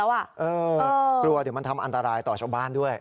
กลัวเดี๋ยวมันทำอันตรายต่อชาวบ้านด้วย